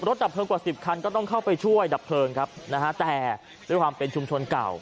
ดับเพลิงกว่าสิบคันก็ต้องเข้าไปช่วยดับเพลิงครับนะฮะแต่ด้วยความเป็นชุมชนเก่า